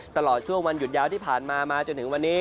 ตลอดช่วงวันหยุดยาวที่ผ่านมามาจนถึงวันนี้